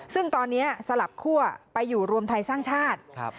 ซึ่งตอนนี้สลับคั่วไปอยู่รวมไทยสร้างชาติ